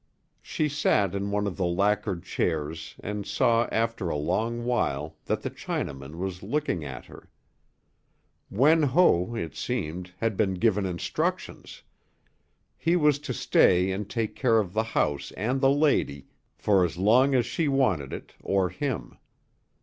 She sat in one of the lacquered chairs and saw after a long while that the Chinaman was looking at her. Wen Ho, it seemed, had been given instructions. He was to stay and take care of the house and the lady for as long as she wanted it, or him.